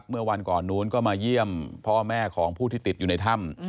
เมื่อวันก่อนนู้นก็มาเยี่ยมพ่อแม่ของผู้ที่ติดอยู่ในถ้ำ